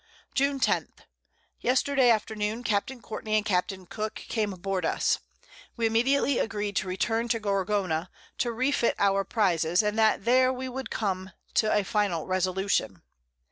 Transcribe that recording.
June 10. Yesterday Afternoon Capt. Courtney and Capt. Cook came aboard us. We immediately agreed to return to Gorgona, to refit our Prizes, and that there we would come to a final Resolution.